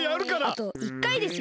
あと１かいですよ。